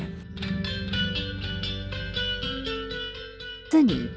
senyawa adalah sebuah perhubungan yang berbeda